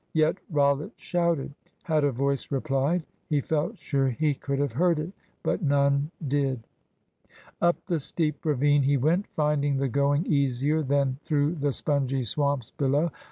Yet Rollitt shouted. Had a voice replied, he felt sure he could have heard it. But none did. Up the steep ravine he went, finding the going easier than through the spongy swamps below.